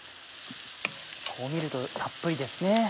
こう見るとたっぷりですね。